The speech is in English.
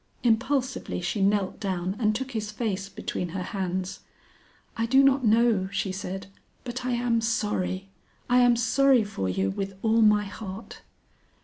Impulsively she knelt down and took his face between her hands. "I do not know," she said; "but I am sorry. I am sorry for you, with all my heart."